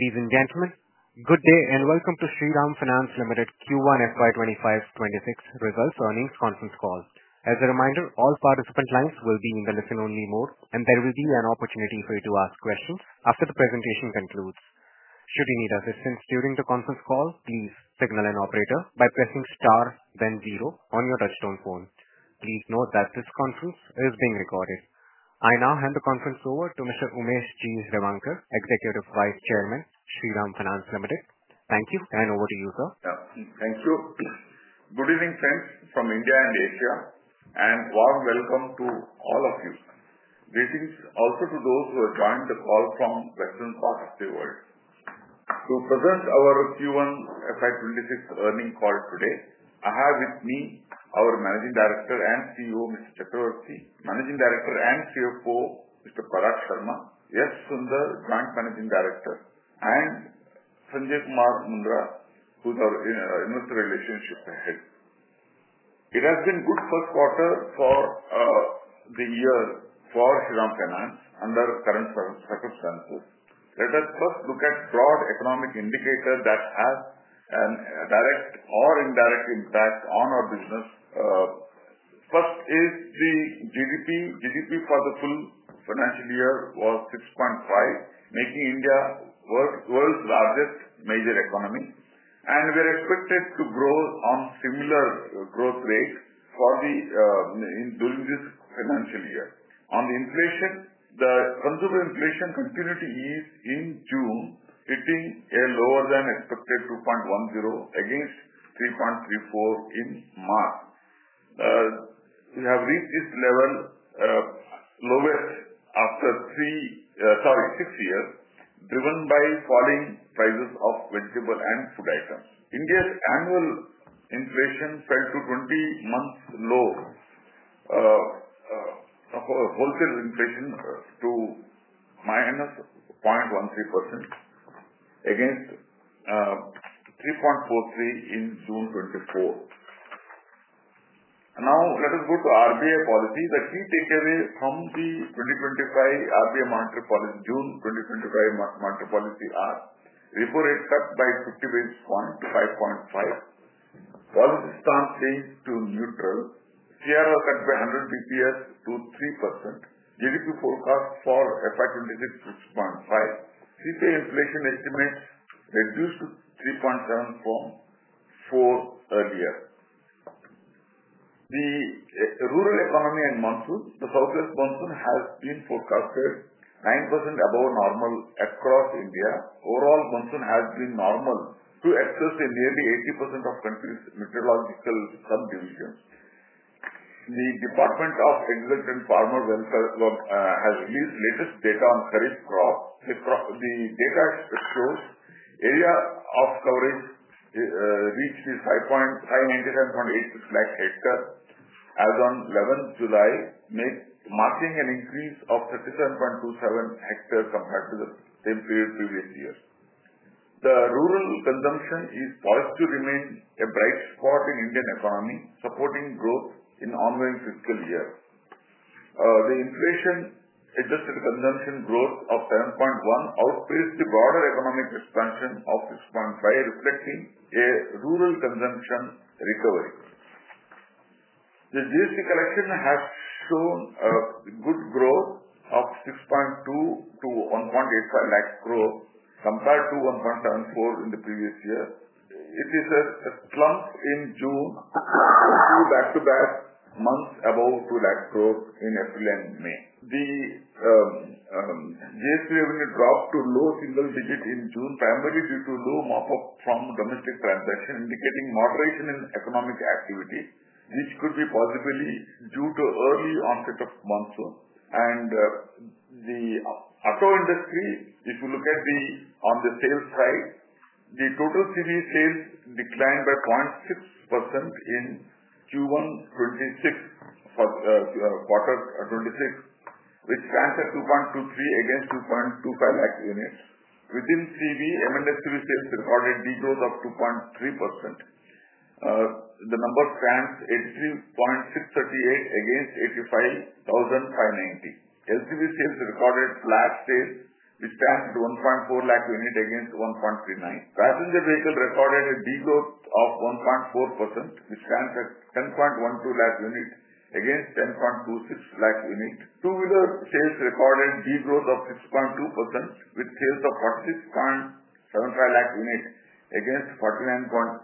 Ladies and gentlemen, good day and welcome to Shriram Finance Limited Q1 FY 2025-FY 2026 Results Earnings Conference Call. As a reminder, all participant lines will be in the listen-only mode, and there will be an opportunity for you to ask questions after the presentation concludes. Should you need assistance during the conference call, please signal an operator by pressing star then zero on your touch-tone phone. Please note that this conference is being recorded. I now hand the conference over to Mr. Umesh G. Revankar, Executive Vice Chairman, Shriram Finance Limited. Thank you, and over to you, sir. Thank you. Good evening, friends from India and Asia, and warm welcome to all of you. Greetings also to those who have joined the call from western parts of the world. To present our Q1 FY 2026 earnings call today, I have with me our Managing Director and CEO, Mr. Y S Chakravarti, Managing Director and CFO, Mr. Parag Sharma, Subramanian Sunder, Joint Managing Director, and Sanjay Kumar Mundra, who is our Investor Relations Head. It has been a good first quarter for the year for Shriram Finance under current circumstances. Let us first look at broad economic indicators that have a direct or indirect impact on our business. First is the GDP. GDP for the full financial year was 6.5%, making India the world's largest major economy, and we are expected to grow on similar growth rates during this financial year. On the inflation, the consumer inflation continued to ease in June, hitting a lower than expected 2.10% against 3.34% in March. We have reached this level, lowest after six years, driven by falling prices of vegetable and food items. India's annual inflation fell to 20-month low. Wholesale inflation to minus 0.13% against 3.43% in June 2024. Now, let us go to RBI policy. The key takeaway from the 2025 RBI monetary policy, June 2025 monetary policy, are: repo rate cut by 50 basis points to 5.5%. Policy stance changed to neutral. CRR cut by 100 basis points to 3%. GDP forecast for FY 2026 6.5%. CPI inflation estimate reduced to 3.7% from 4% earlier. The rural economy and monsoon, the southwest monsoon has been forecasted 9% above normal across India. Overall, monsoon has been normal to excess in nearly 80% of country's meteorological subdivisions. The Department of Excellence and Farmer Welfare has released latest data on kharif crops. The data shows area of coverage reached 597.86 lakh hectares as of 11 July, marking an increase of 37.27 lakh hectares compared to the same period previous year. The rural consumption is poised to remain a bright spot in Indian economy, supporting growth in the ongoing fiscal year. The inflation-adjusted consumption growth of 7.1% outpaced the broader economic expansion of 6.5%, reflecting a rural consumption recovery. The GST collection has shown a good growth of 6.2% to 1.85 lakh crore compared to 1.74 lakh crore in the previous year. It is a slump in June to back-to-back months above 2 lakh crore in April and May. The GST revenue dropped to low single digit in June, primarily due to low mop-up from domestic transaction, indicating moderation in economic activity, which could be possibly due to early onset of monsoon. The auto industry, if you look at the sales side, the total commercial vehicle sales declined by 0.6% in Q1 FY 2026, which stands at 2.23 lakh units against 2.25 lakh units. Within commercial vehicles, medium and small commercial vehicle sales recorded degrowth of 2.3%. The number stands 83,638 against 85,590. Light commercial vehicle sales recorded flat sales, which stands at 1.4 lakh units against 1.39 lakh units. Passenger vehicle recorded a degrowth of 1.4%, which stands at INR 10.12 units against 10.26 lakh units. Two-wheeler sales recorded degrowth of 6.2%, with sales of 46.75 lakh units against 49.86 lakh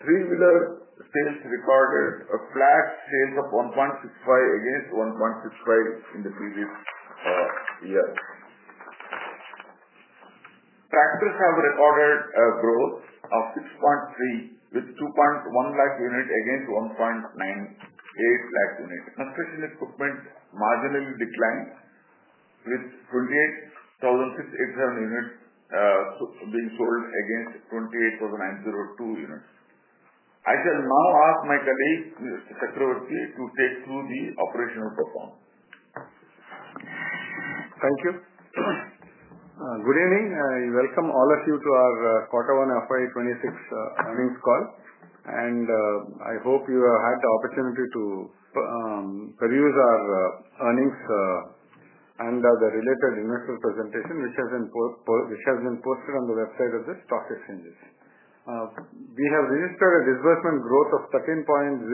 units. Three-wheeler sales recorded a flat sales of 1.65 lakh units against 1.65 lakh units in the previous year. Tractors have recorded a growth of 6.3%, with 2.1 lakh units against 1.98 lakh units. Construction equipment marginally declined, with 28,687 units being sold against 28,902 units. I shall now ask my colleague, Mr. Chakravarti, to take through the operational performance. Thank you. Good evening. I welcome all of you to our quarter one FY 2026 earnings call, and I hope you have had the opportunity to peruse our earnings and the related Investor Presentation, which has been posted on the website of the stock exchanges. We have registered a disbursement growth of 13.01%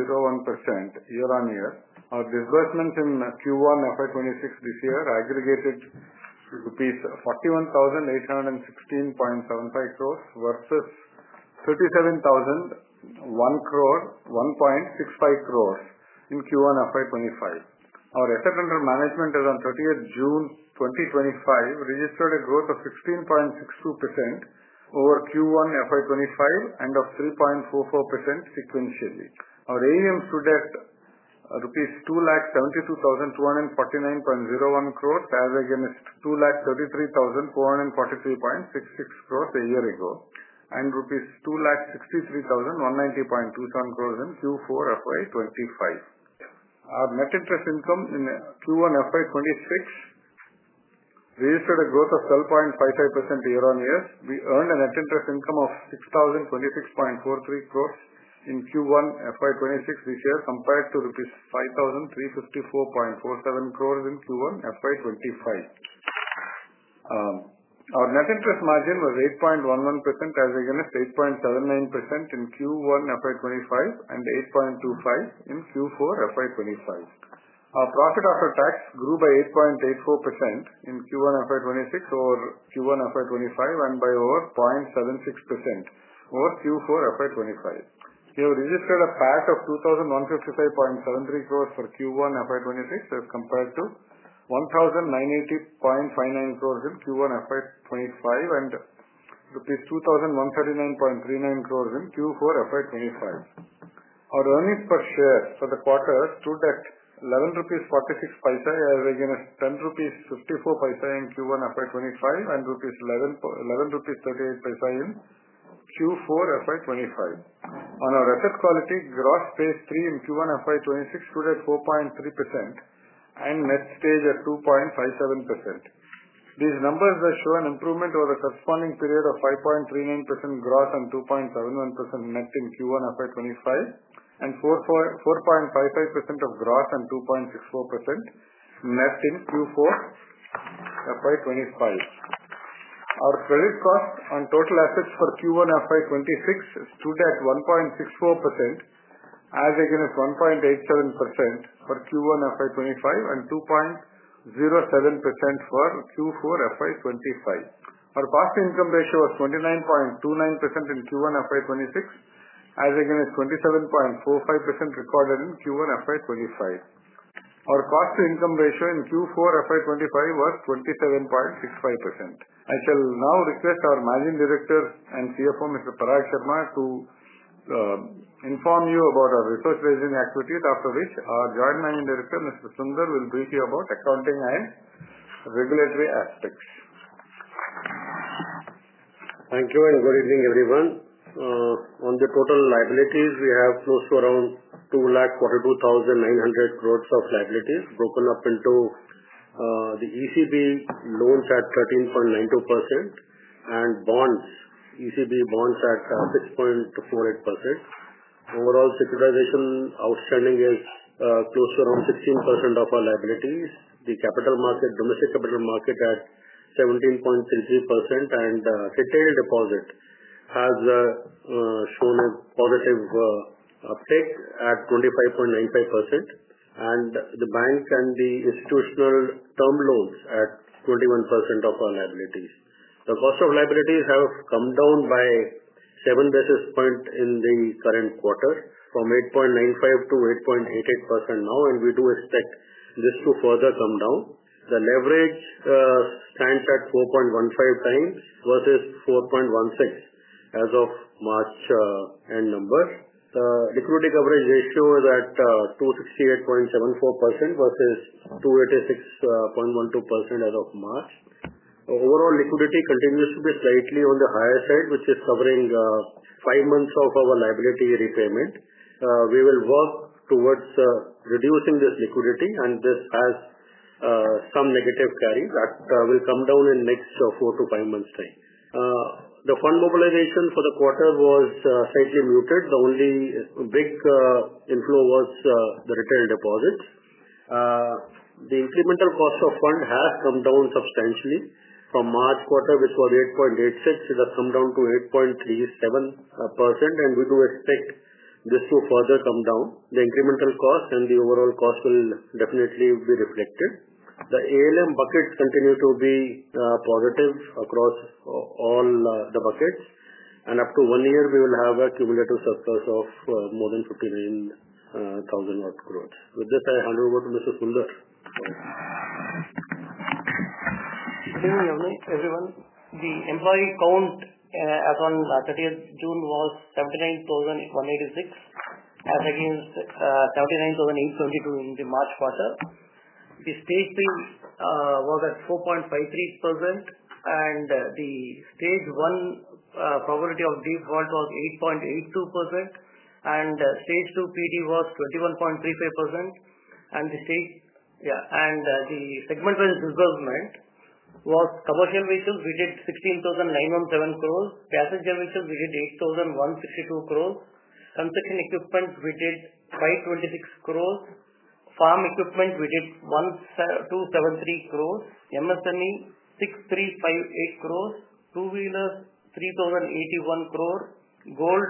year-on-year. Our disbursements in Q1 FY 2026 this year aggregated rupees 41,816.75 crore versus 37,001.65 crore in Q1 FY 2025. Our Assets Under Management has on 30 June 2025 registered a growth of 16.62% over Q1 FY2025 and of 3.44% sequentially. Our AUM stood at INR 2,72,249.01 crore as against 2,33,443.66 crore a year ago and rupees 2,63,190.27 crore in Q4 FY 2025. Our net interest income in Q1 FY 2026 registered a growth of 12.55% year-on-year. We earned a net interest income of 6,026.43 crore in Q1 FY 2026 this year compared to rupees 5,354.47 crore in Q1 FY 2025. Our net interest margin was 8.11% as against 8.79% in Q1 FY 2025 and 8.25% in Q4 FY 2025. Our profit after tax grew by 8.84% in Q1 FY 2026 over Q1 FY 2025 and by over 0.76% over Q4 FY 2025. We have registered a PAT of 2,155.73 crore for Q1 FY 2026 as compared to 1,980.59 crore in Q1 FY 2025 and rupees 2,139.39 crore in Q4 FY 2025. Our earnings per share for the quarter stood at 11.46 rupees as against 10.54 rupees in Q1 FY 2025 and 11.38 rupees in Q4 FY 2025. On our asset quality, gross stage III in Q1 FY 2026 stood at 4.3% and net stage at 2.57%. These numbers show an improvement over the corresponding period of 5.39% gross and 2.71% net in Q1 FY 2025 and 4.55% gross and 2.64% net in Q4 FY 2025. Our credit cost on total assets for Q1 FY 2026 stood at 1.64% as against 1.87% for Q1 FY 2025 and 2.07% for Q4 FY 2025. Our cost to income ratio was 29.29% in Q1 FY 2026 as against 27.45% recorded in Q1 FY 2025. Our cost to income ratio in Q4 FY 2025 was 27.65%. I shall now request our Managing Director and CFO, Mr. Parag Sharma, to inform you about our resource raising activities, after which our Joint Managing Director, Mr. Subramanian Sunder, will brief you about accounting and regulatory aspects. Thank you and good evening, everyone. On the total liabilities, we have close to around 2,42,900 crore of liabilities broken up into the ECB loans at 13.92% and bonds, ECB bonds at 6.48%. Overall securitization outstanding is close to around 16% of our liabilities. The capital market, domestic capital market at 17.33% and retail deposit has shown a positive uptake at 25.95%, and the bank and the institutional term loans at 21% of our liabilities. The cost of liabilities have come down by 7 basis points in the current quarter from 8.95% to 8.88% now, and we do expect this to further come down. The leverage stands at 4.15x versus 4.16 as of March end number. The liquidity coverage ratio is at 268.74% versus 286.12% as of March. Overall liquidity continues to be slightly on the higher side, which is covering five months of our liability repayment. We will work towards reducing this liquidity, and this has some negative carry that will come down in the next four to five months' time. The fund mobilization for the quarter was slightly muted. The only big inflow was the retail deposits. The incremental cost of fund has come down substantially from March quarter, which was 8.86%. It has come down to 8.37%, and we do expect this to further come down. The incremental cost and the overall cost will definitely be reflected. The ALM buckets continue to be positive across all the buckets, and up to one year, we will have a cumulative surplus of more than 59,000 crore. With this, I hand over to Mr. Sunder. Good evening, everyone. The employee count as of 30 June was 79,186 as against 79,822 in the March quarter. The stage III was at 4.53%, and the stage I probability of default was 8.82%, and stage II PD was 21.35%. Segment-wise disbursement was commercial vehicles we did 16,917 crore, passenger vehicles we did 8,162 crore, construction equipment we did 526 crore, farm equipment we did 273 crore, MSME 6,358 crore, two-wheelers 3,081 crore, gold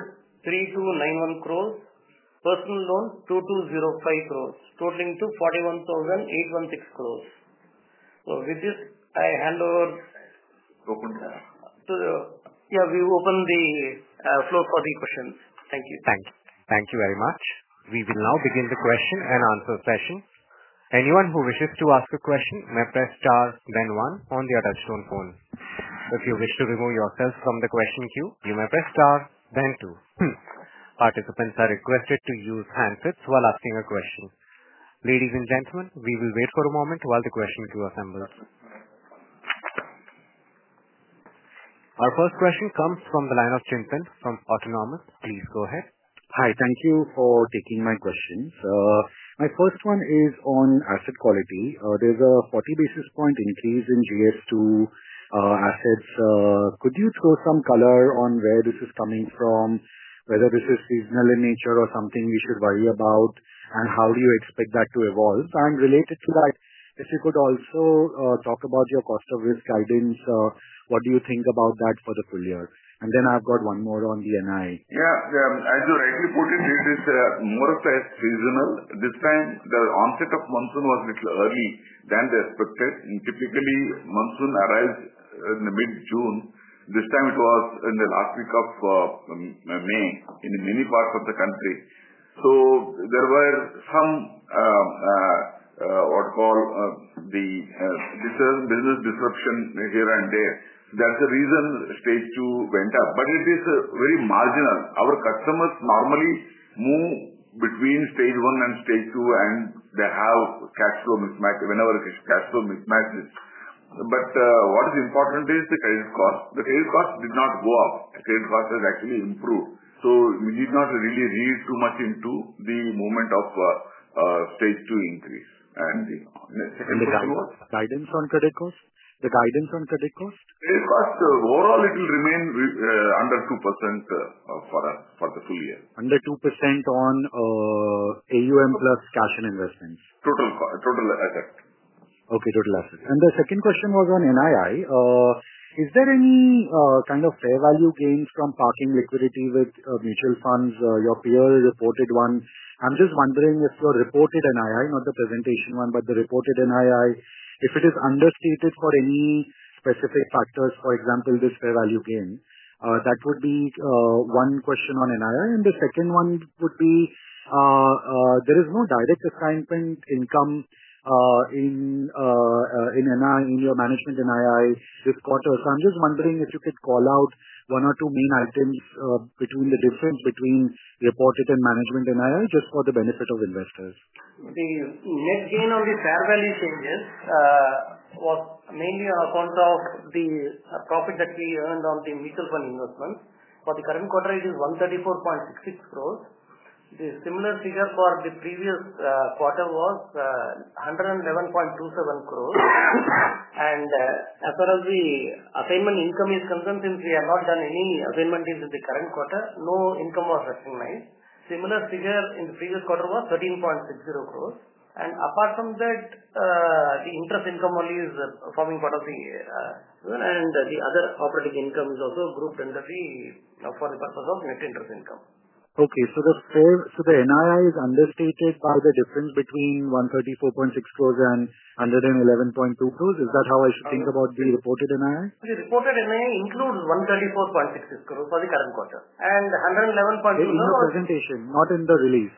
3,291 crore, personal loans 2,205 crore, totaling to 41,816 crore. With this, I hand over. Yeah, we open the floor for the questions. Thank you. Thank you very much. We will now begin the question and answer session. Anyone who wishes to ask a question may press star then one on the touch-tone phone. If you wish to remove yourself from the question queue, you may press star then two. Participants are requested to use handsets while asking a question. Ladies and gentlemen, we will wait for a moment while the question queue assembles. Our first question comes from the line of Chintan from Autonomous. Please go ahead. Hi, thank you for taking my questions. My first one is on asset quality. There is a 40 basis point increase in GS2 assets. Could you throw some color on where this is coming from, whether this is seasonal in nature or something we should worry about, and how do you expect that to evolve? If you could also talk about your cost of risk guidance, what do you think about that for the full year? I have got one more on the NI. Yeah, I'll be rightly put it. It is more or less seasonal. This time, the onset of monsoon was a little early than they expected. Typically, monsoon arrives in mid-June. This time, it was in the last week of May in many parts of the country. There were some, what we call, the business disruption here and there. That is the reason stage II went up. It is very marginal. Our customers normally move between stage I and stage II, and they have cash flow mismatch whenever cash flow mismatches. What is important is the credit cost. The credit cost did not go up. The credit cost has actually improved. We did not really read too much into the moment of stage II increase. The second. The guidance on credit cost? Credit cost overall, it will remain under 2% for the full year. Under 2% on AUM plus cash and investments? Total asset. Okay, total asset. The second question was on NII. Is there any kind of fair value gains from parking liquidity with mutual funds? Your P&L reported one. I am just wondering if your reported NII, not the presentation one, but the reported NII, if it is understated for any specific factors, for example, this fair value gain, that would be one question on NII. The second one would be, there is no direct assignment income in your management NII this quarter. I am just wondering if you could call out one or two main items between the difference between reported and management NII just for the benefit of investors. The net gain on the fair value changes was mainly on account of the profit that we earned on the mutual fund investments. For the current quarter, it is 134.66 crore. The similar figure for the previous quarter was 111.27 crore. As far as the assignment income is concerned, since we have not done any assignment in the current quarter, no income was recognized. The similar figure in the previous quarter was 13.60 crore. Apart from that, the interest income only is forming part of the, and the other operating income is also grouped under the, for the purpose of net interest income. Okay, so the NII is understated by the difference between 134.6 crore and 111.2 crore. Is that how I should think about the reported NII? The reported NII includes 134.66 crore for the current quarter. 111.2 crore. In the presentation, not in the release.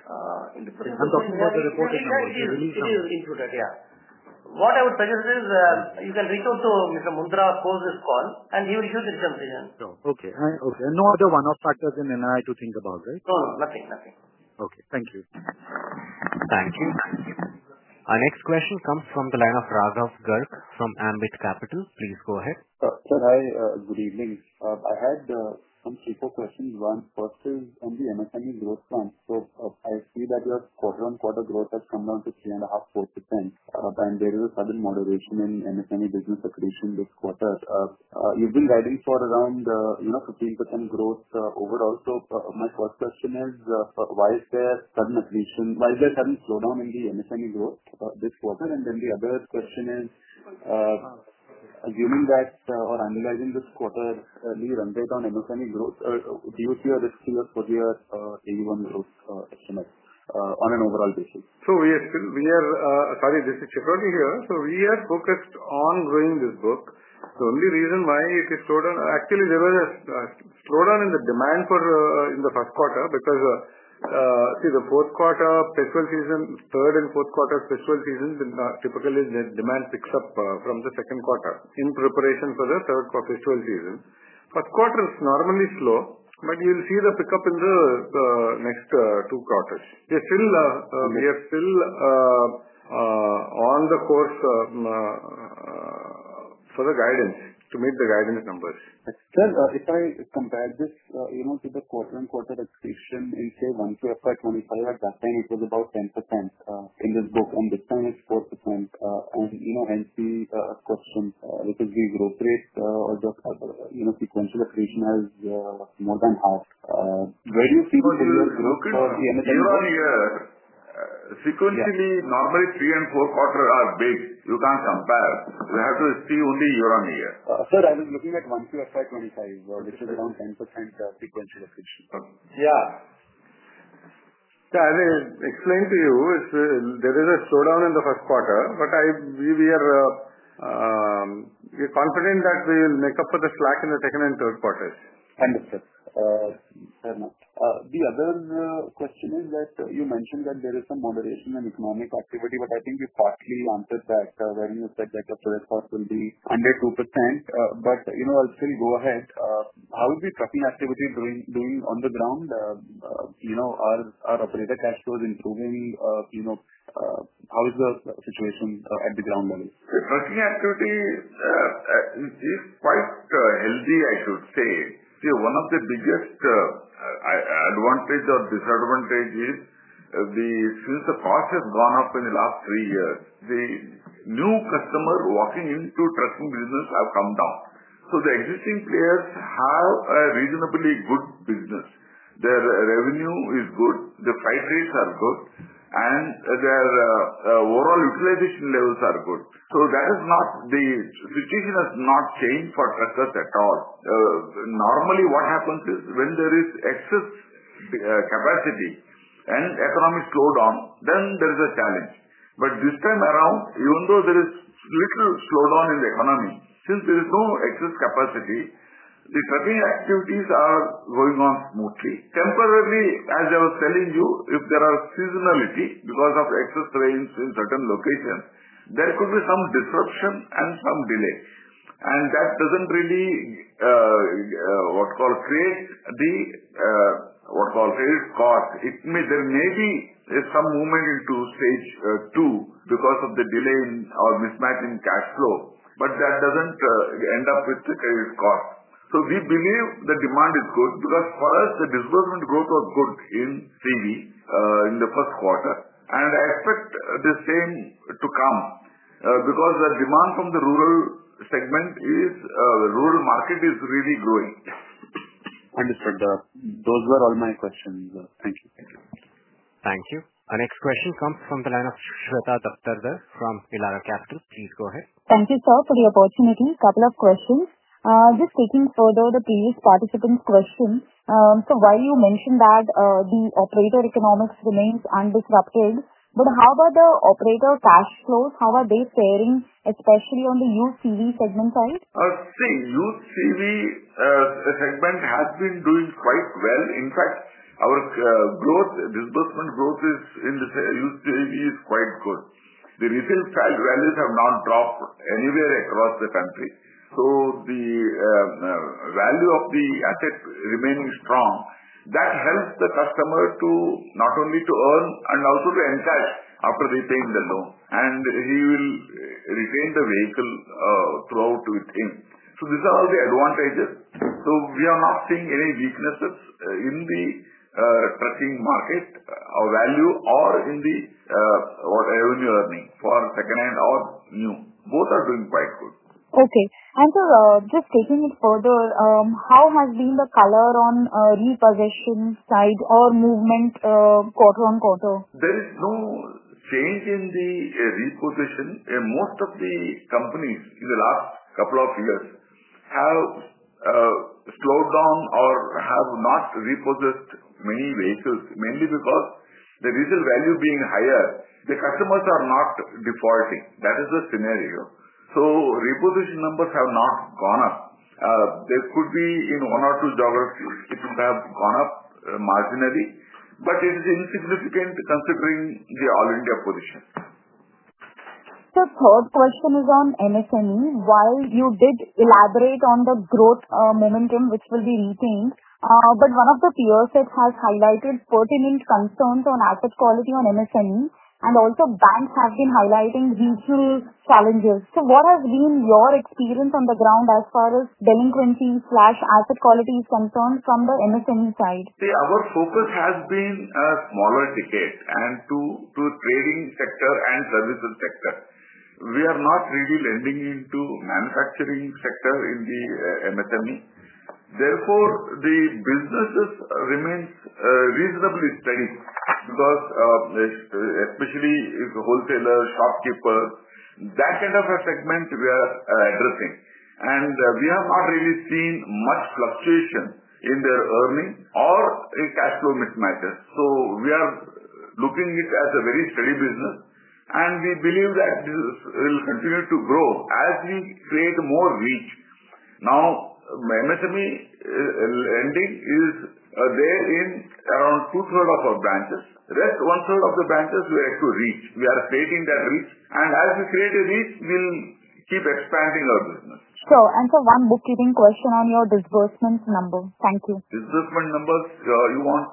In the presentation. I'm talking about the reported NII. The release number is included, yeah. What I would suggest is you can reach out to Mr. Mundra of this call, and he will give you the results. Okay. And no other one-off factors in NII to think about, right? No, nothing. Okay, thank you. Thank you. Our next question comes from the line of Raghav Garg from Ambit Capital. Please go ahead. Sir, good evening. I had some simple questions. One first is on the MSME growth plan. I see that your quarter-on-quarter growth has come down to 3.5%, and there is a sudden moderation in MSME business accretion this quarter. You've been riding for around 15% growth overall. My first question is, why is there sudden accretion? Why is there sudden slowdown in the MSME growth this quarter? The other question is, assuming that or analyzing this quarter, the run rate on MSME growth, do you see a risk to your full year AUM growth estimate on an overall basis? We are still, sorry, this is Chakravarti here. We are focused on growing this book. The only reason why it is slowdown, actually, there was a slowdown in the demand in the first quarter because. See, the fourth quarter fiscal season, third and fourth quarter fiscal season, typically the demand picks up from the second quarter in preparation for the third fiscal season. First quarter is normally slow, but you'll see the pickup in the next two quarters. We are still on the course for the guidance to meet the guidance numbers. Sir, if I compare this to the quarter-on-quarter accretion, we say 1Q FY 2025, at that time it was about 10% in this book. This time it is 4%. NC question, because we growth rate or just sequential accretion has more than half. Where do you see the growth for the MSME? Year on year, sequentially, normally three and four quarters are big. You can't compare. You have to see only year on year. Sir, I was looking at 1Q FY 2025, which is around 10% sequential accretion. Yeah. Yeah, I will explain to you. There is a slowdown in the first quarter, but we are confident that we will make up for the slack in the second and third quarters. Understood. Sir, the other question is that you mentioned that there is some moderation in economic activity, but I think you partly answered that when you said that the trade cost will be under 2%. I'll still go ahead. How is the trucking activity doing on the ground? Are operator cash flows improving? How is the situation at the ground level? The trucking activity is quite healthy, I should say. See, one of the biggest advantages or disadvantages is, since the cost has gone up in the last three years, the new customers walking into trucking business have come down. So the existing players have a reasonably good business. Their revenue is good, the freight rates are good, and their overall utilization levels are good. That situation has not changed for truckers at all. Normally, what happens is when there is excess capacity and economic slowdown, then there is a challenge. This time around, even though there is a little slowdown in the economy, since there is no excess capacity, the trucking activities are going on smoothly. Temporarily, as I was telling you, if there are seasonality issues because of excess rains in certain locations, there could be some disruption and some delay. That does not really, what we call, create the, what we call, credit cost. There may be some movement into stage II because of the delay or mismatch in cash flow, but that does not end up with the credit cost. We believe the demand is good because for us, the disbursement growth was good in CV in the first quarter, and I expect the same to come because the demand from the rural segment, the rural market, is really growing. Understood. Those were all my questions. Thank you. Thank you. Our next question comes from the line of Shweta Daptardar from Elara Capital. Please go ahead. Thank you, sir, for the opportunity. Couple of questions. Just taking further the previous participant's question. While you mentioned that the operator economics remains undisrupted, how about the operator cash flows? How are they faring, especially on the used CV segment side? See, used CV segment has been doing quite well. In fact, our growth, disbursement growth in the used CV is quite good. The retail values have not dropped anywhere across the country. The value of the asset remaining strong, that helps the customer to not only to earn and also to encash after they pay the loan, and he will retain the vehicle throughout with him. These are all the advantages. We are not seeing any weaknesses in the trucking market or value or in the revenue earning for secondhand or new. Both are doing quite good. Okay. And sir, just taking it further, how has been the color on repossession side or movement quarter on quarter? There is no change in the repossession. Most of the companies in the last couple of years have slowed down or have not repossessed many vehicles, mainly because the retail value being higher, the customers are not defaulting. That is the scenario. So repossession numbers have not gone up. There could be in one or two geographies it would have gone up marginally, but it is insignificant considering the all-India position. Sir, third question is on MSME. While you did elaborate on the growth momentum, which will be retained, but one of the peers has highlighted pertinent concerns on asset quality on MSME, and also banks have been highlighting regional challenges. What has been your experience on the ground as far as delinquency/asset quality is concerned from the MSME side? See, our focus has been a smaller ticket and to trading sector and services sector. We are not really lending into manufacturing sector in the MSME. Therefore, the businesses remain reasonably steady because. Especially if wholesalers, shopkeepers, that kind of a segment we are addressing. We have not really seen much fluctuation in their earning or cash flow mismatches. We are looking at a very steady business, and we believe that this will continue to grow as we create more reach. Now, MSME lending is there in around two-thirds of our branches. Rest one-third of the branches we have to reach. We are creating that reach. As we create a reach, we'll keep expanding our business. Sure. Sir, one bookkeeping question on your disbursement number. Thank you. Disbursement numbers, you want.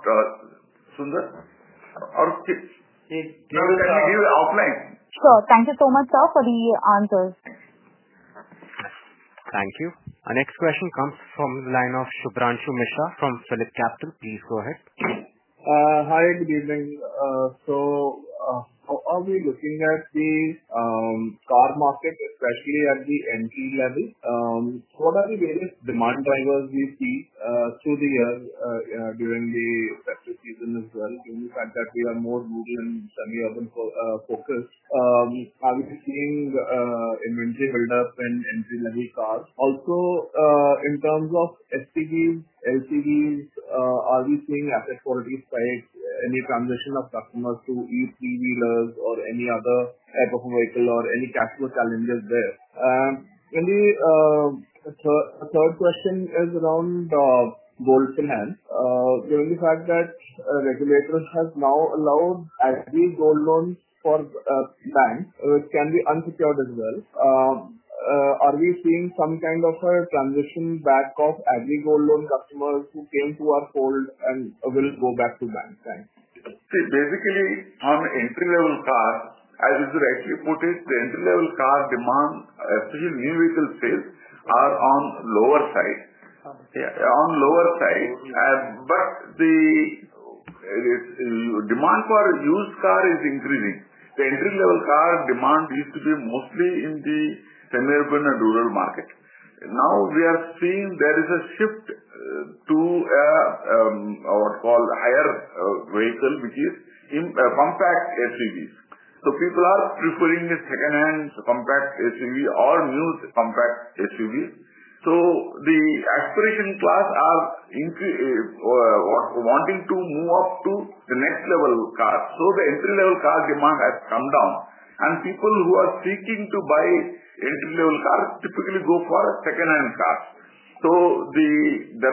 Sunder? We can you give you offline? Sure. Thank you so much, sir, for the answers. Thank you. Thank you. Our next question comes from the line of Shubhranshu Mishra from PhilipCapital. Please go ahead. Hi, good evening. We are looking at the car market, especially at the entry level. What are the various demand drivers we see through the year during the festive season as well? Given the fact that we are more rural and semi-urban focused, are we seeing inventory buildup in entry-level cars? Also, in terms of STVs, LTVs, are we seeing asset quality spikes, any transition of customers to E3 wheelers or any other type of vehicle, or any cash flow challenges there? The third question is around gold finance. Given the fact that regulators have now allowed aggregate gold loans for banks, which can be unsecured as well, are we seeing some kind of a transition back of aggregate gold loan customers who came to our fold and will go back to banks? Thanks. See, basically on entry-level cars, as you correctly put it, the entry-level car demand, especially new vehicle sales, are on the lower side. On the lower side. But the demand for used cars is increasing. The entry-level car demand used to be mostly in the semi-urban and rural market. Now we are seeing there is a shift to what we call higher vehicle, which is compact SUVs. People are preferring secondhand compact SUVs or new compact SUVs. The aspiration class are wanting to move up to the next level cars. The entry-level car demand has come down. People who are seeking to buy entry-level cars typically go for secondhand cars. There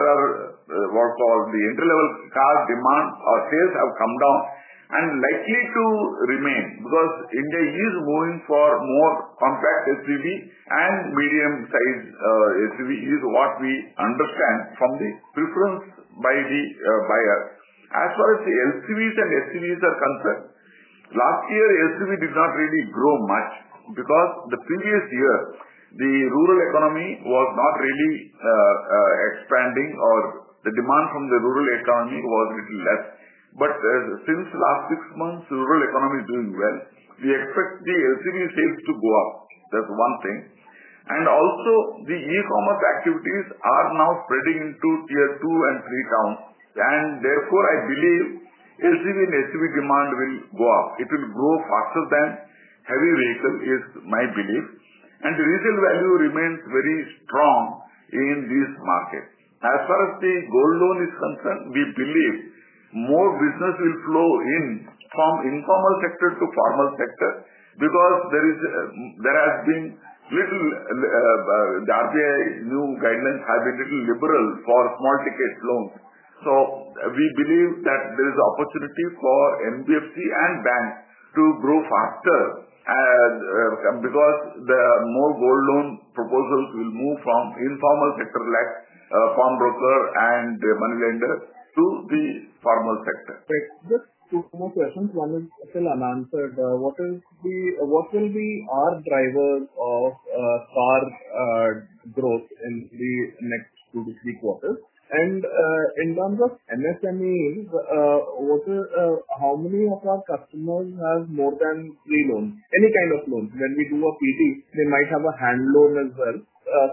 are what we call the entry-level car demand or sales have come down and likely to remain because India is moving for more compact SUV and medium-sized SUV is what we understand from the preference by the buyers. As far as the LTVs and STVs are concerned, last year LTV did not really grow much because the previous year the rural economy was not really expanding or the demand from the rural economy was a little less. Since the last six months, rural economy is doing well. We expect the LTV sales to go up. That is one thing. Also, the e-commerce activities are now spreading into tier two and three towns. Therefore, I believe LTV and STV demand will go up. It will grow faster than heavy vehicle is my belief. The retail value remains very strong in this market. As far as the gold loan is concerned, we believe more business will flow in from informal sector to formal sector because there has been little. The RBI new guidelines have been a little liberal for small-ticket loans. We believe that there is an opportunity for NBFC and banks to grow faster because the more gold loan proposals will move from informal sector like farm broker and money lender to the formal sector. Great. Just two more questions. One is, I think I've answered. What will be our drivers of car growth in the next two to three quarters? In terms of MSME, how many of our customers have more than three loans? Any kind of loans. When we do a PD, they might have a hand loan as well.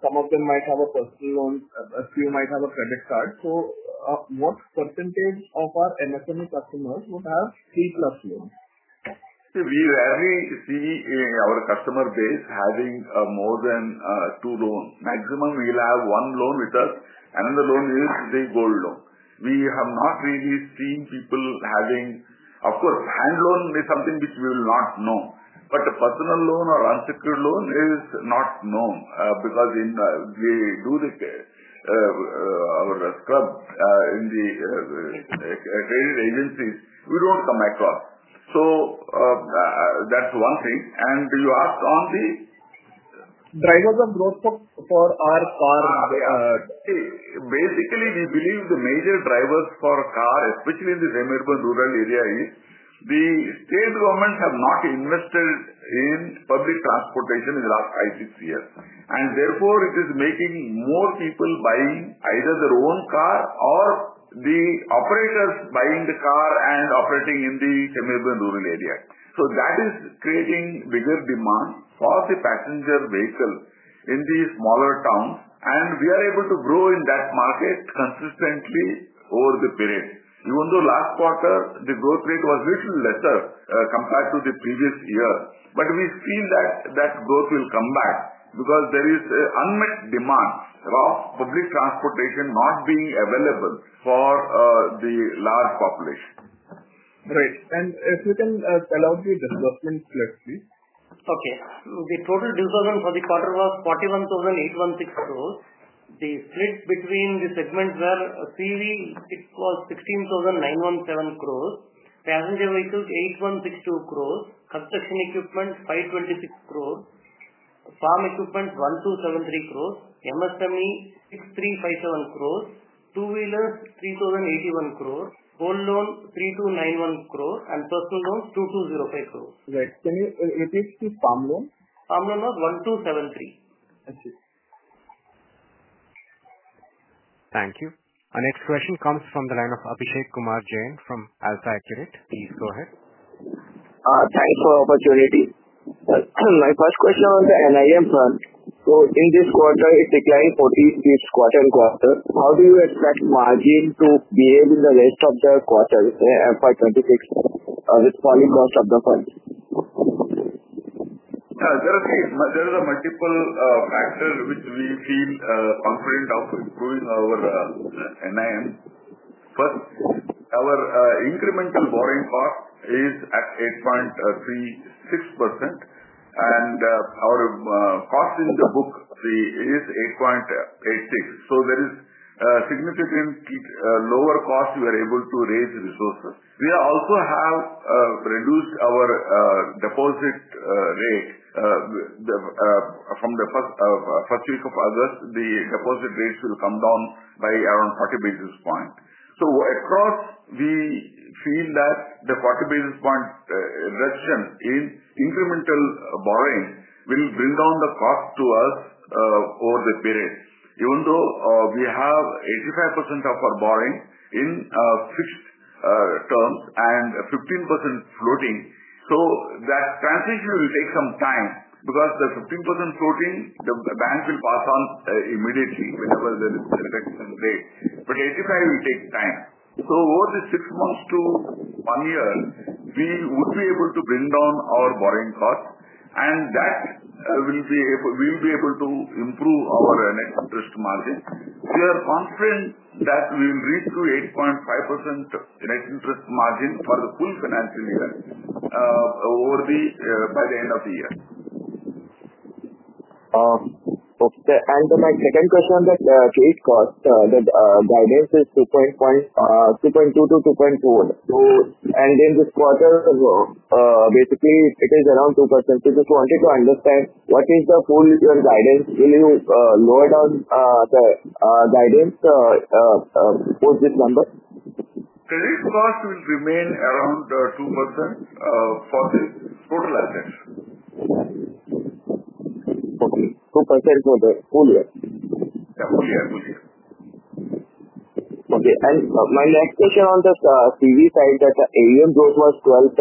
Some of them might have a personal loan. A few might have a credit card. What percentage of our MSME customers would have three-plus loans? See, we rarely see our customer base having more than two loans. Maximum, we will have one loan with us, and the loan is the gold loan. We have not really seen people having—of course, hand loan is something which we will not know. A personal loan or unsecured loan is not known because in the, our scrub in the, credit agencies, we do not come across. That is one thing. You asked on the. Drivers of growth for our car. Basically, we believe the major drivers for a car, especially in the semi-urban rural area, is the state governments have not invested in public transportation in the last five-six years. Therefore, it is making more people buying either their own car or the operators buying the car and operating in the semi-urban rural area. That is creating bigger demand for the passenger vehicle in the smaller towns. We are able to grow in that market consistently over the period. Even though last quarter, the growth rate was a little lesser compared to the previous year, we feel that that growth will come back because there is an unmet demand of public transportation not being available for the large population. Great. If you can tell us the disbursement split, please. Okay. The total disbursement for the quarter was 41,816 crore. The split between the segments were CV, it was 16,917 crore, passenger vehicles 8,162 crore, construction equipment 526 crore, farm equipment 1,273 crore, MSME 6,357 crore, two-wheelers 3,081 crore, gold loan 3,291 crore, and personal loans 2,205 crore. Great. Can you repeat the farm loan? Farm loan was 1,273 crore. I see. Thank you. Our next question comes from the line of Abhishek Kumar Jain from AlfAccurate. Please go ahead. Thanks for the opportunity. My first question on the NIM fund. So in this quarter, it declined 40 basis points quarter on quarter. How do you expect margin to behave in the rest of the quarter for 2026 with falling cost of the fund? There are multiple factors which we feel confident of improving our NIM. First, our incremental borrowing cost is at 8.36%. And our cost in the book is 8.86. So there is a significant lower cost we are able to raise resources. We also have reduced our deposit rate. From the first week of August, the deposit rates will come down by around 40 basis points. Across, we feel that the 40 basis point reduction in incremental borrowing will bring down the cost to us over the period. Even though we have 85% of our borrowing in fixed terms and 15% floating, that transition will take some time because the 15% floating, the bank will pass on immediately whenever there is a reduction in the rate. But 85% will take time. Over the six months to one year, we would be able to bring down our borrowing cost, and that will be able to improve our net interest margin. We are confident that we will reach to 8.5% net interest margin for the full financial year. By the end of the year. Okay. My second question on the cost, the guidance is 2.2%-2.4%. In this quarter, basically, it is around 2%. I just wanted to understand what is the full-year guidance. Will you lower down the guidance for this number? Credit cost will remain around 2% for the total assets. Okay. 2% for the full year? Yeah, full year. Okay. My next question on the CV side, the AUM growth was 12.3%.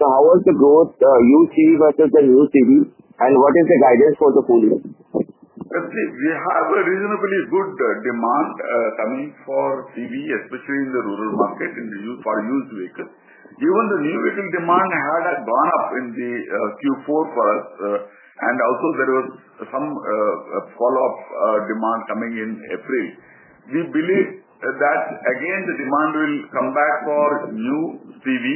How was the growth you see versus the new CV? What is the guidance for the full year? See, we have a reasonably good demand coming for CV, especially in the rural market for used vehicles. Even the new vehicle demand had gone up in the Q4 for us. Also, there was some follow-up demand coming in April. We believe that, again, the demand will come back for new CV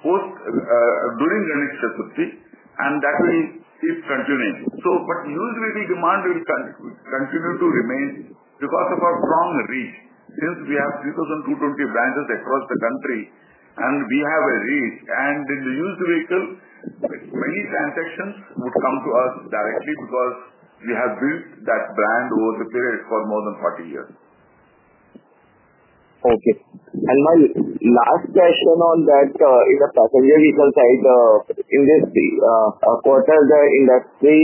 during the next shift of T, and that will keep continuing. Used vehicle demand will continue to remain because of our strong reach. Since we have 3,220 branches across the country, and we have a reach, and in the used vehicle, many transactions would come to us directly because we have built that brand over the period for more than 40 years. Okay. My last question on that, in the passenger vehicle side, in this quarter, the industry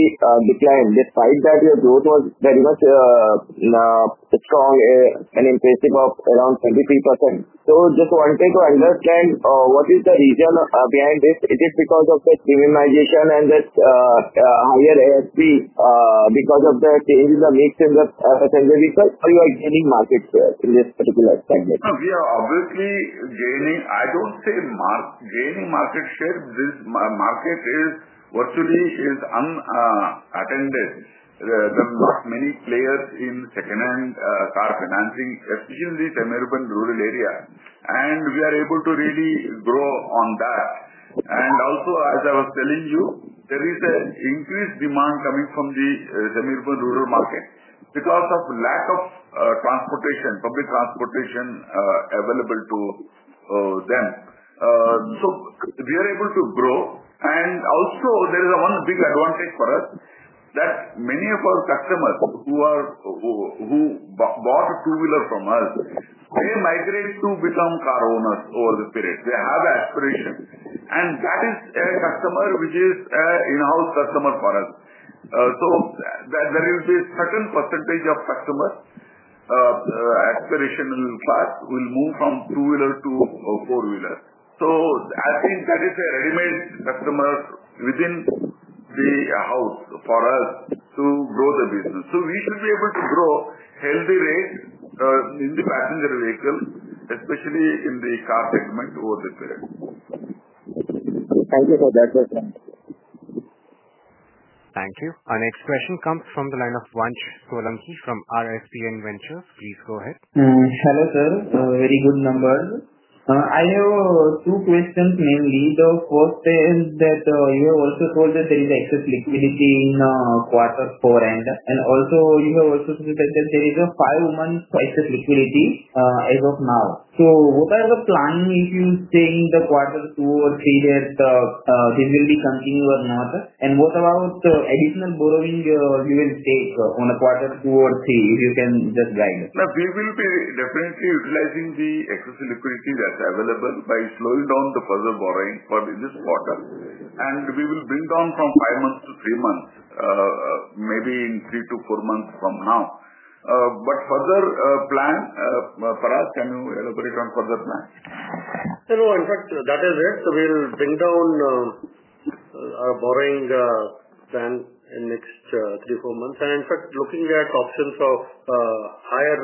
declined. Despite that, your growth was very much strong and impressive, of around 23%. I just wanted to understand what is the reason behind this. Is it because of the premiumization and the higher ASP because of the change in the mix in the passenger vehicles, or you are gaining market share in this particular segment? We are obviously gaining. I don't say gaining market share. This market virtually is unattended. There are not many players in secondhand car financing, especially in the semi-urban rural area. We are able to really grow on that. Also, as I was telling you, there is an increased demand coming from the semi-urban rural market because of lack of public transportation available to them. We are able to grow. Also, there is one big advantage for us that many of our customers who bought a two-wheeler from us, they migrate to become car owners over the period. They have aspiration. That is a customer which is an in-house customer for us. There will be a certain percentage of customers. Aspirational class will move from two-wheeler to four-wheeler. I think that is a ready-made customer within the house for us to grow the business. We should be able to grow healthy rates in the passenger vehicles, especially in the car segment over the period. Thank you for that question. Thank you. Our next question comes from the line of Vansh Solanki from RSPN Ventures. Please go ahead. Hello, sir. Very good numbers. I have two questions, mainly. The first is that you have also told that there is excess liquidity in quarter four. You have also said that there is a five-month excess liquidity as of now. What are the plans if you think the quarter two or three that this will be continued or not? What about the additional borrowing you will take on quarter two or three if you can just guide us? We will be definitely utilizing the excess liquidity that's available by slowing down the further borrowing for this quarter. We will bring down from five months to three months, maybe in three to four months from now. Further plan. Parag, can you elaborate on further plan? No, in fact, that is it. We'll bring down our borrowing plan in the next three to four months. In fact, looking at options of higher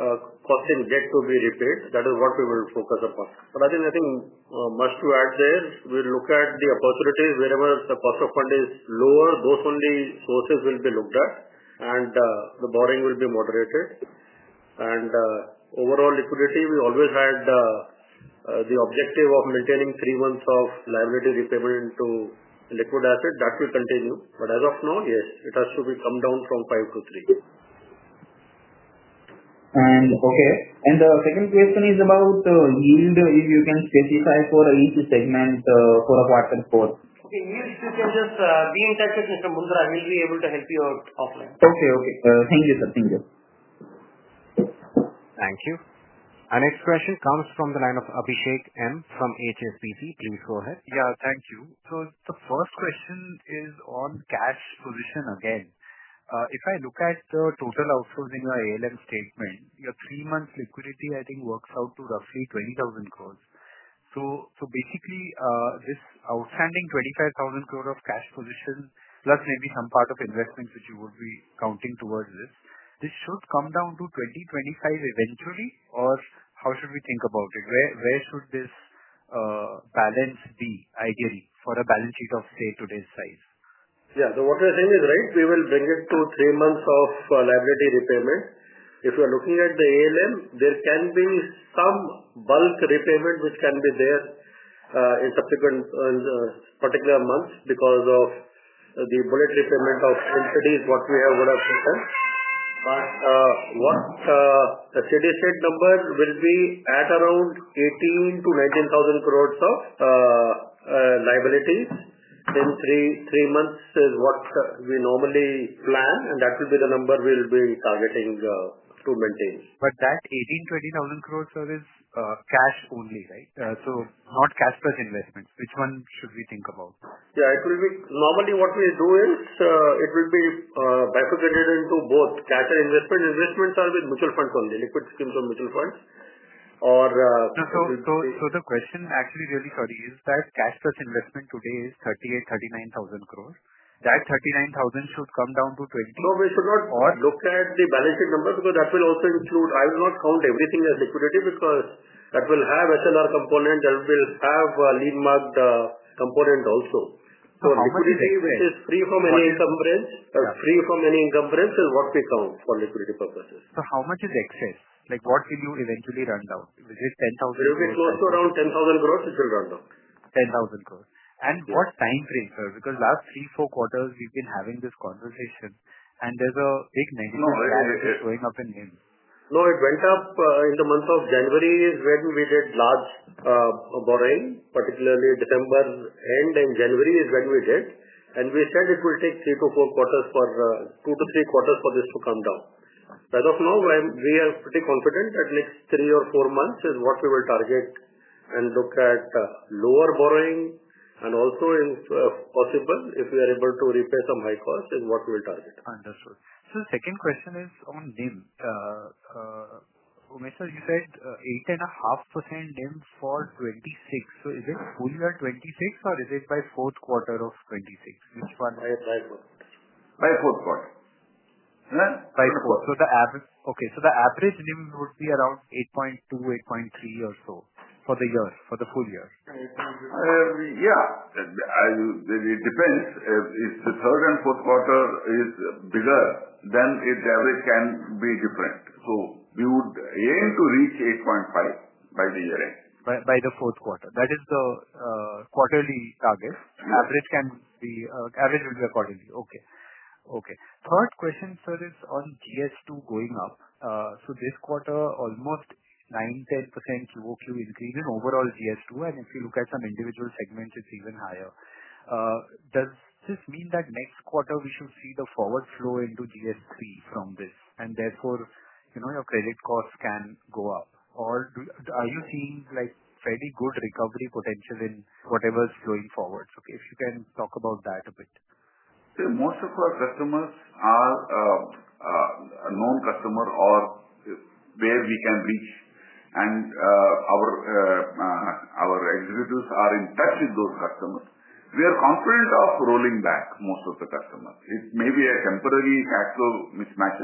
cost and debt to be repaid, that is what we will focus upon. I think, must to add there, we'll look at the opportunities wherever the cost of fund is lower, those only sources will be looked at, and the borrowing will be moderated. Overall liquidity, we always had the objective of maintaining three months of liability repayment to liquid asset. That will continue. As of now, yes, it has to come down from five to three. Okay. The second question is about the yield, if you can specify for each segment for quarter four. Okay. Yield, you can just be in touch with Mr. Mundra. He'll be able to help you offline. Okay. Okay. Thank you, sir. Thank you. Thank you. Our next question comes from the line of Abhishek M from HSBC. Please go ahead. Yeah, thank you. The first question is on cash position again. If I look at the total outflows in your ALM statement, your three-month liquidity, I think, works out to roughly 20,000 crore. Basically, this outstanding 25,000 crore of cash position, plus maybe some part of investments which you would be counting towards this, this should come down to 20,000 crore-25,000 eventually, or how should we think about it? Where should this balance be, ideally, for a balance sheet of, say, today's size? Yeah. The water thing is right. We will bring it to three months of liability repayment. If you are looking at the ALM, there can be some bulk repayment which can be there. In particular months because of the bullet repayment of entities, what we have, what I have discussed. What the CD state number will be at around 18,000 crore-19,000 crore of liabilities in three months is what we normally plan. That will be the number we will be targeting to maintain. That 18,000 crore-20,000 crore is cash only, right? So not cash-plus investments. Which one should we think about? Yeah. Normally, what we do is it will be bifurcated into both cash and investment. Investments are with mutual funds only, liquid schemes or mutual funds. Or we'll be doing that. The question actually, really sorry, is that cash-plus investment today is 38,000 crore-39,000 crore. That 39,000 crore should come down to 20,000 crore? No, we should not look at the balance sheet number because that will also include, I will not count everything as liquidity because that will have SLR component. That will have a lead marked component also. So liquidity, which is free from any encumbrance, free from any encumbrance, is what we count for liquidity purposes. How much is excess? What will you eventually run down? Is it 10,000 crore? It will be close to around 10,000 crore it will run down. 10,000 crore. What time frame, sir? Because last three, four quarters, we've been having this conversation, and there's a big negative that is going up in NIM. No, it went up in the month of January is when we did large borrowing, particularly December end and January is when we did. We said it will take three to four quarters for two to three quarters for this to come down. As of now, we are pretty confident that next three or four months is what we will target and look at lower borrowing. Also, if possible, if we are able to repay some high cost, is what we will target. Understood. So the second question is on NIM. Umesh, you said 8.5% NIM for 2026. So is it full year 2026, or is it by fourth quarter of 2026? Which one? By fourth quarter. By fourth quarter. By fourth quarter. Okay. So the average NIM would be around 8.2%, 8.3% or so for the year, for the full year? Yeah. It depends. If the third and fourth quarter is bigger, then the average can be different. We would aim to reach 8.5% by the year-end. By the fourth quarter. That is the quarterly target. Average can be, average will be accordingly. Okay. Okay. Third question, sir, is on GS2 going up. So this quarter, almost 9-10% QOQ increase in overall GS2. And if you look at some individual segments, it's even higher. Does this mean that next quarter, we should see the forward flow into GS3 from this? And therefore, your credit costs can go up. Or are you seeing fairly good recovery potential in whatever's flowing forward? Okay. If you can talk about that a bit. Most of our customers are known customers or where we can reach, and our executives are in touch with those customers. We are confident of rolling back most of the customers. It may be a temporary tax mismatch,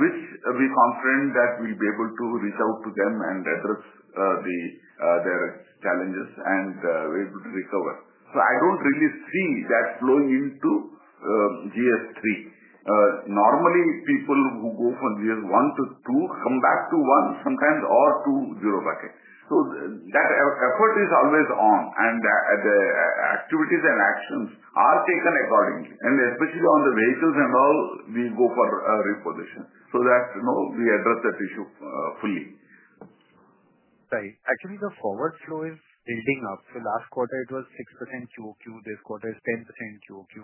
which we are confident that we will be able to reach out to them and address their challenges and be able to recover. I do not really see that flowing into GS3. Normally, people who go from GS1 to 2 come back to 1 sometimes or to Zero Bucket. That effort is always on. Activities and actions are taken accordingly. Especially on the vehicles and all, we go for a repossession so that we address that issue fully. Right. Actually, the forward flow is building up. Last quarter, it was 6% Q-o-Q. This quarter is 10% Q-o-Q.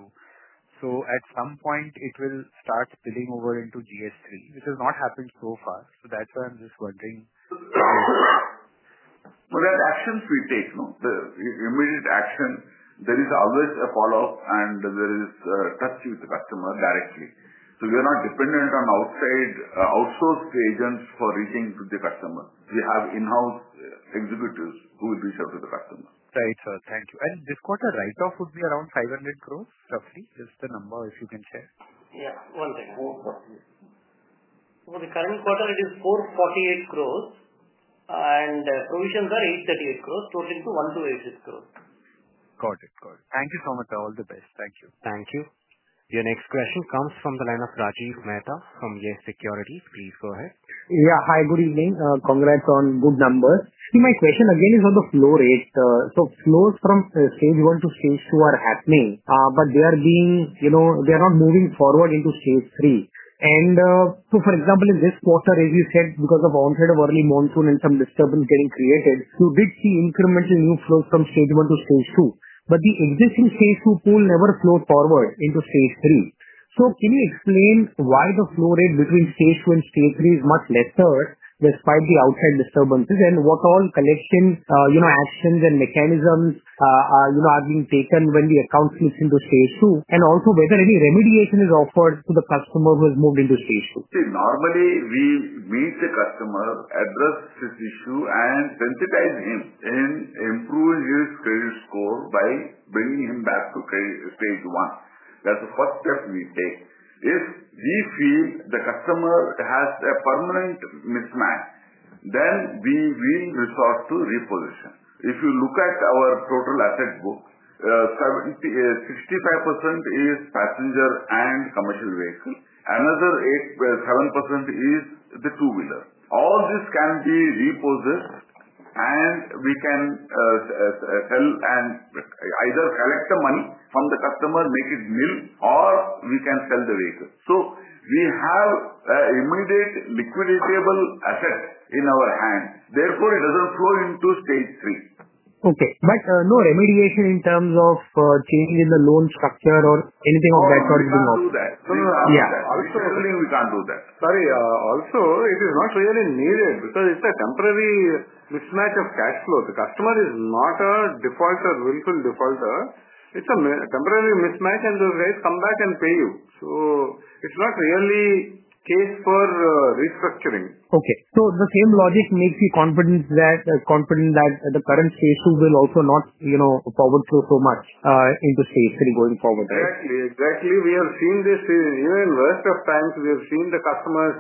At some point, it will start spilling over into GS3, which has not happened so far. That is why I am just wondering. That is actions we take. Immediate action. There is always a follow-up, and there is touch with the customer directly. We are not dependent on outsourced agents for reaching to the customer. We have in-house executives who will reach out to the customer. Right, sir. Thank you. This quarter, write-off would be around 500 crore roughly. Just the number, if you can share. Yeah. One second. For the current quarter, it is 448 crore. Provisions are 838 crore, total to 1,286 crore. Got it. Got it. Thank you so much. All the best. Thank you. Thank you. Your next question comes from the line of Rajiv Mehta from Yes Bank. Please go ahead. Yeah. Hi, good evening. Congrats on good numbers. My question again is on the flow rate. Flows from stage one to stage two are happening, but they are being. They are not moving forward into stage three. For example, in this quarter, as you said, because of onset of early monsoon and some disturbance getting created, you did see incremental new flows from stage one to stage two. The existing stage two pool never flowed forward into stage three. Can you explain why the flow rate between stage two and stage three is much lesser despite the outside disturbances? What all collection actions and mechanisms are being taken when the account slips into stage two? Also, whether any remediation is offered to the customer who has moved into stage two? See, normally, we meet the customer, address this issue, and sensitize him, and improve his credit score by bringing him back to stage one. That's the first step we take. If we feel the customer has a permanent mismatch, then we will resort to repossession. If you look at our total asset book, 65% is passenger and commercial vehicle. Another 7% is the two-wheeler. All this can be repossessed, and we can sell and either collect the money from the customer, make it nil, or we can sell the vehicle. We have immediate liquidatable asset in our hands. Therefore, it doesn't flow into stage three. Okay. No remediation in terms of changing in the loan structure or anything of that sort is being offered? We can't do that. Sorry. Also, it is not really needed because it's a temporary mismatch of cash flow. The customer is not a defaulter, willful defaulter. It's a temporary mismatch, and those guys come back and pay you. So it's not really a case for restructuring. Okay. So the same logic makes you confident that the current stage two will also not forward flow so much into stage three going forward, right? Exactly. Exactly. We have seen this. Even in the worst of times, we have seen the customers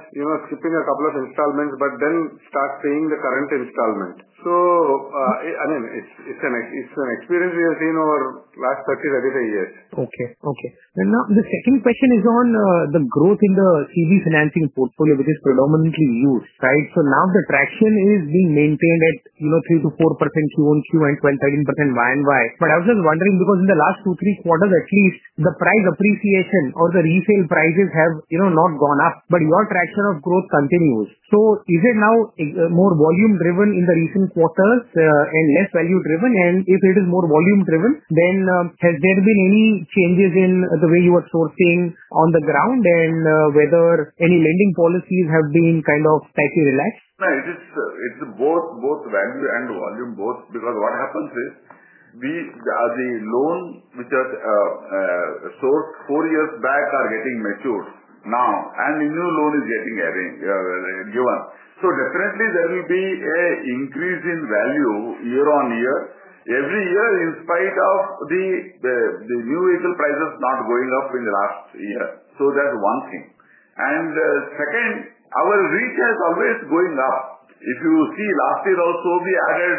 skipping a couple of installments but then start paying the current installment. I mean, it's an experience we have seen over the last 30-35 years. Okay. Okay. Now, the second question is on the growth in the CV financing portfolio, which is predominantly used, right? Now the traction is being maintained at 3%-4% Q-on-Q and 12%-13% Y-o-Y. I was just wondering because in the last two, three quarters at least, the price appreciation or the resale prices have not gone up. Your traction of growth continues. Is it now more volume-driven in the recent quarters and less value-driven? If it is more volume-driven, then has there been any changes in the way you are sourcing on the ground and whether any lending policies have been kind of slightly relaxed? No. It's both value and volume. Because what happens is, the loans which are sourced four years back are getting matured now, and a new loan is getting given. So definitely, there will be an increase in value year on year, every year, in spite of the new vehicle prices not going up in the last year. That's one thing. Second, our reach is always going up. If you see, last year also, we added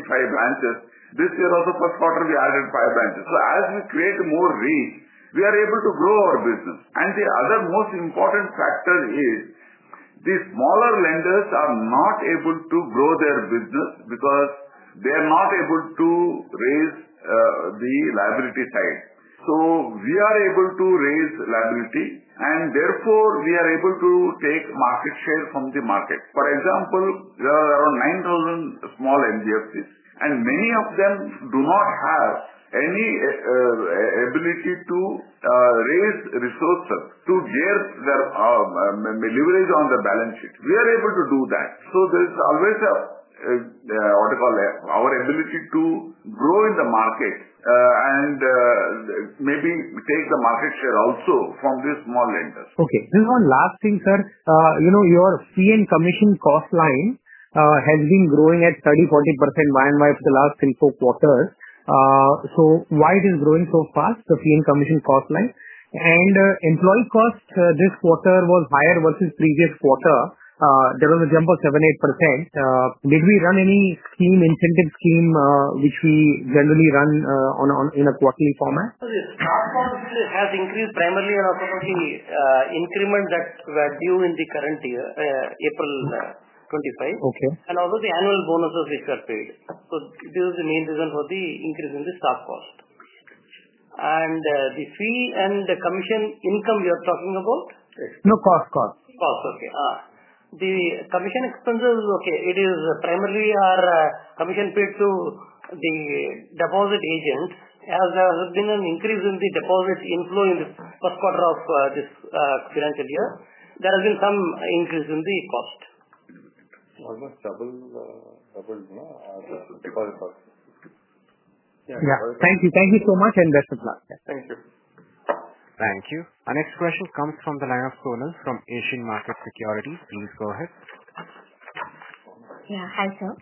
165 branches. This year also, first quarter, we added five branches. As we create more reach, we are able to grow our business. The other most important factor is, the smaller lenders are not able to grow their business because they are not able to raise the liability side. We are able to raise liability, and therefore, we are able to take market share from the market. For example, there are around 9,000 small NBFCs, and many of them do not have any ability to raise resources to get their leverage on the balance sheet. We are able to do that. There is always a, what do you call it, our ability to grow in the market and maybe take the market share also from these small lenders. Okay. Just one last thing, sir. Your fee and commission cost line has been growing at 30%-40% Y-on-Y for the last three-four quarters. Why is it growing so fast, the fee and commission cost line? Employee cost this quarter was higher versus previous quarter. There was a jump of 7%-8%. Did we run any incentive scheme which we generally run in a quarterly format? The staff cost has increased primarily on a quarterly increment that was due in the current year, April 2025, and also the annual bonuses which were paid. This is the main reason for the increase in the staff cost. The fee and the commission income you are talking about? No, cost. Cost. Okay. The commission expenses, okay, it is primarily our commission paid to the deposit agents. As there has been an increase in the deposit inflow in the first quarter of this financial year, there has been some increase in the cost. Almost doubled the deposit cost. Yeah. Thank you. Thank you so much. Best of luck. Thank you. Thank you. Our next question comes from the line of Sonal from Asian Markets Securities. Please go ahead. Yeah. Hi, sir.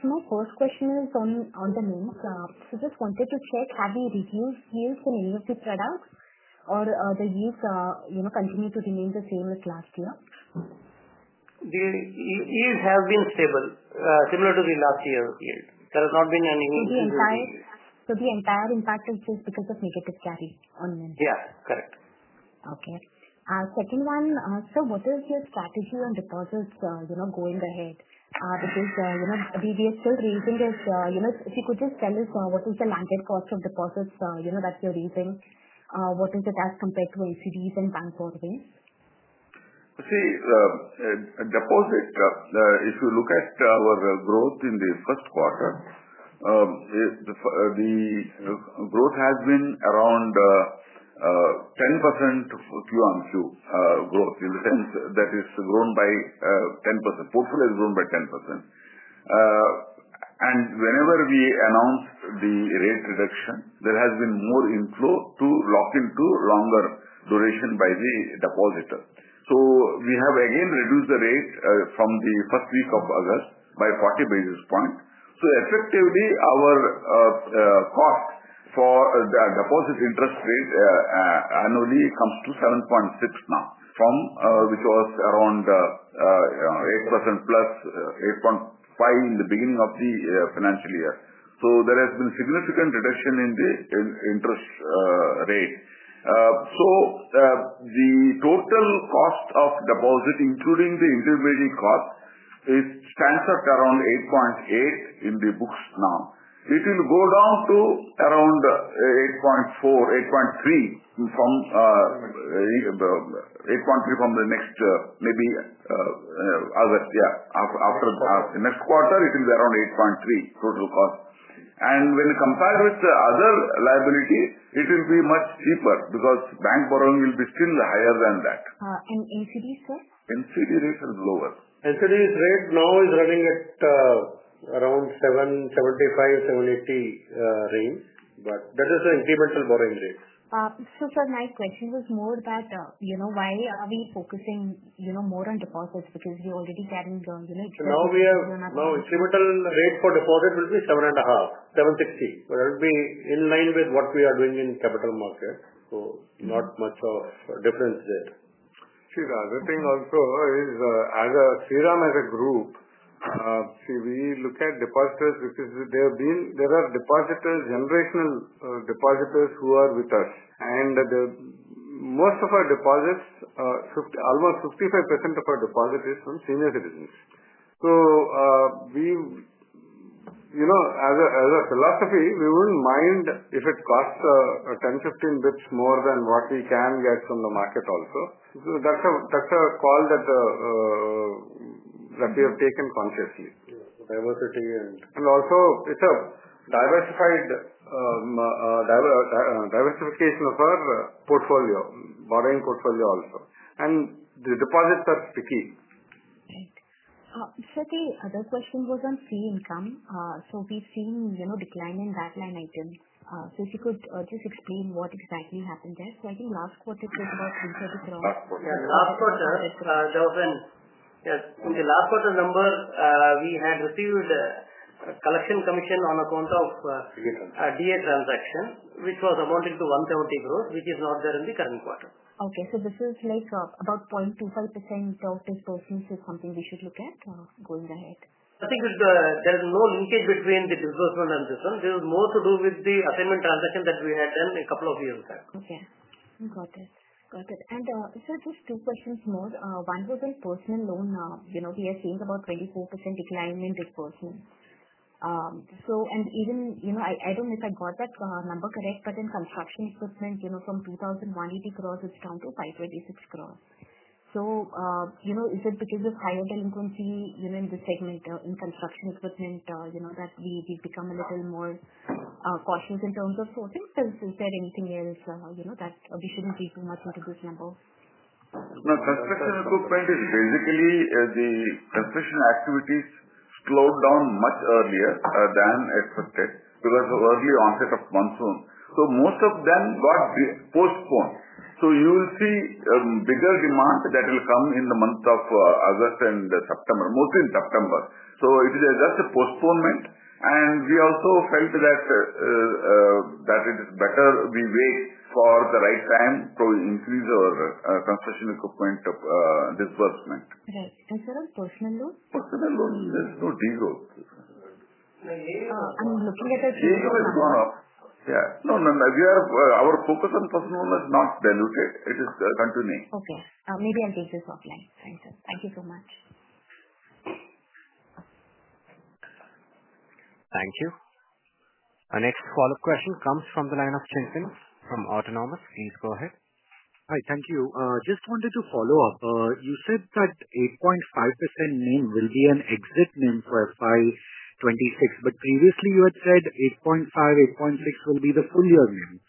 So my first question is on the NIMs. So just wanted to check, have we reduced yields in any of the products, or the yields continue to remain the same as last year? Yields have been stable, similar to the last year's yield. There has not been any impact. The entire impact is just because of negative carry on NIMs? Yeah. Correct. Okay. Second one, sir, what is your strategy on deposits going ahead? Because the way we are still raising is, if you could just tell us what is the landed cost of deposits that you're raising, what is it as compared to SCDs and bank borrowings? See. Deposit, if you look at our growth in the first quarter. The growth has been around 10% Q on Q growth in the sense that it's grown by 10%. Portfolio has grown by 10%. Whenever we announced the rate reduction, there has been more inflow to lock into longer duration by the depositor. We have, again, reduced the rate from the first week of August by 40 basis points. Effectively, our cost for the deposit interest rate annually comes to 7.6% now, which was around 8%-8.5% in the beginning of the financial year. There has been significant reduction in the interest rate. The total cost of deposit, including the intermediate cost, stands at around 8.8% in the books now. It will go down to around 8.3% from the next, maybe, August, yeah. After the next quarter, it will be around 8.3% total cost. When compared with the other liability, it will be much cheaper because bank borrowing will be still higher than that. NCDs, sir? NCD rate is lower. NCDs rate now is running at around 7.75%-7.80% range. But that is the incremental borrowing rate. Sir, my question was more that why are we focusing more on deposits? Because we are already carrying the. Now we have incremental rate for deposit will be 7.5%, 7.60% That will be in line with what we are doing in capital market. Not much of a difference there. See, the other thing also is as Shriram as a group. See, we look at depositors because there are depositors, generational depositors who are with us. Most of our deposits, almost 55% of our deposit is from senior citizens. We, as a philosophy, we wouldn't mind if it costs 10, 15 basis points more than what we can get from the market also. That's a call that we have taken consciously. Diversity and also, it's a diversification of our portfolio, borrowing portfolio also. The deposits are picky. Right. Sir, the other question was on fee income. We have seen a decline in that line item. If you could just explain what exactly happened there. I think last quarter it was about 330 crore. Last quarter. Yeah. Last quarter, there was an. In the last quarter number, we had received a collection commission on account of. DA transaction, which was amounting to 170 crore, which is not there in the current quarter. Okay. So this is like about 0.25% of this business is something we should look at going ahead? I think there's no linkage between the disbursement and this one. This is more to do with the assignment transaction that we had done a couple of years back. Okay. Got it. Got it. And, sir, just two questions more. One was on personal loan. We are seeing about 24% decline in disbursement. And even, I do not know if I got that number correct, but in construction equipment, from 2,180 crore, it is down to 526 crore. Is it because of higher delinquency in the segment in construction equipment that we have become a little more cautious in terms of sourcing? Is there anything else that we should not read too much into this number? No, construction equipment is basically the construction activities slowed down much earlier than expected because of early onset of monsoon. Most of them got postponed. You will see bigger demand that will come in the month of August and September, mostly in September. It is just a postponement. We also felt that it is better we wait for the right time to increase our construction equipment disbursement. Right. Sir, on personal loans? Personal loans, there is no degrowth. I'm looking at a degrowth. Degrowth has gone up. Yeah. No, no, no. Our focus on personal loan is not diluted. It is continuing. Okay. Maybe I'll take this offline. Thank you so much. Thank you. Our next follow-up question comes from the line of Chintan from Autonomous. Please go ahead. Hi, thank you. Just wanted to follow up. You said that 8.5% NIM will be an exit NIM for FY 2026, but previously you had said 8.5%, 8.6% will be the full year NIM.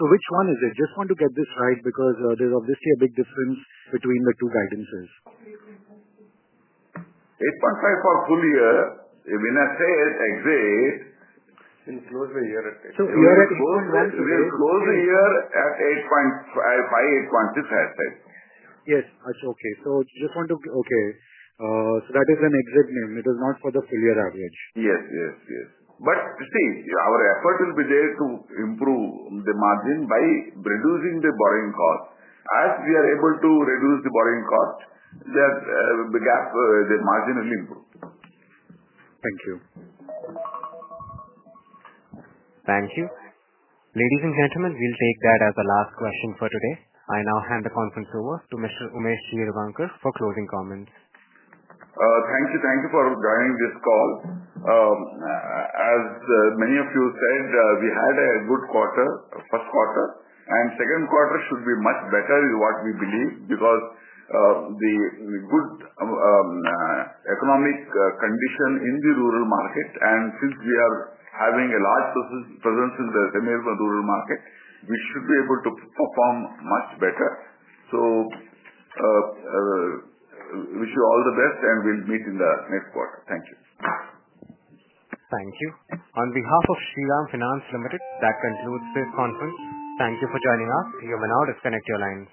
Which one is it? Just want to get this right because there is obviously a big difference between the two guidances. 8.5% for full year. When I say exit, include the year at 8.5%. Year at 8.5%. We'll close the year at 8.5%-8.6%, I said. Yes. Okay. So just want to, okay. So that is an exit NIM. It is not for the full year average. Yes, yes, yes. See, our effort will be there to improve the margin by reducing the borrowing cost. As we are able to reduce the borrowing cost, the gap, the margin will improve. Thank you. Thank you. Ladies and gentlemen, we'll take that as the last question for today. I now hand the conference over to Mr. Umesh Revankar for closing comments. Thank you. Thank you for joining this call. As many of you said, we had a good quarter, first quarter. Second quarter should be much better is what we believe because the good economic condition in the rural market. Since we are having a large presence in the semi-urban rural market, we should be able to perform much better. Wish you all the best, and we'll meet in the next quarter. Thank you. Thank you. On behalf of Shriram Finance Limited, that concludes this conference. Thank you for joining us. You may now disconnect your lines.